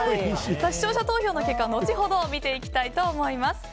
視聴者投票の結果は後ほど見ていきたいと思います。